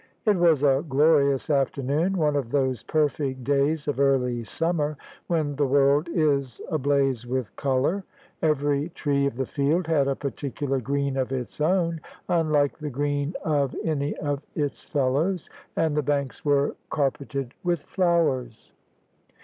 It was a glorious afternoon; one of those perfect days of early summer when the world is ablaze with colour. Every tree of the field had a particular green of its own, unlike the green of any of its fellows; and the banks were carpeted with flowers.